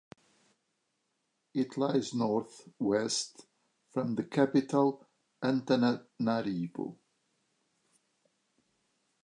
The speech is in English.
It lies North West from the capital Antananarivo.